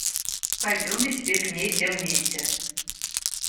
Пойдемте теперь к ней все вместе.